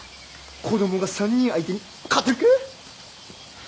子供が３人相手に勝てるか？